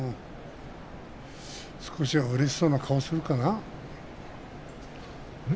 少しはうれしそうな顔するかな？